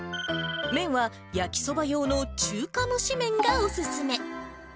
麺は焼きそば用の中華蒸し麺がお勧め。